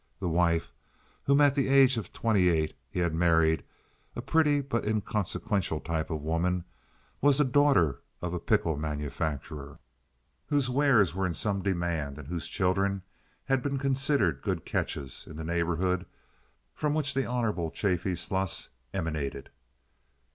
The wife whom at the age of twenty eight he had married—a pretty but inconsequential type of woman—was the daughter of a pickle manufacturer, whose wares were in some demand and whose children had been considered good "catches" in the neighborhood from which the Hon. Chaffee Sluss emanated.